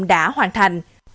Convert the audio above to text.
đã hoàn thành